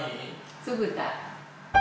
酢豚。